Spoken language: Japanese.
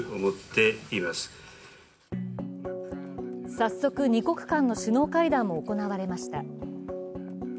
早速、２国間の首脳会談も行われました。